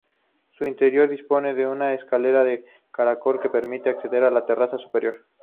Su interior dispone una escalera de caracol que permite acceder a la terraza superior.